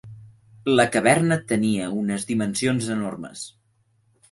La caverna tenia unes dimensions enormes.